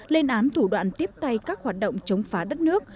lên án thủ đoạn tiếp tay các hoạt động chống phá đất nước